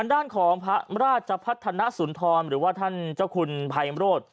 นักศัพท์มาราชพัฒนะสุนทรหรือว่าท่านเจ้าคุณพายัมโรธ